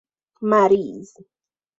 مریض